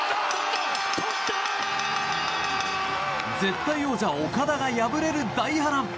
絶対王者オカダが敗れる大波乱。